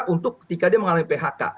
untuk ketika dia mengalami phk